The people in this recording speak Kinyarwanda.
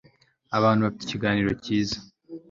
abantu bafite ikiganiro cyiza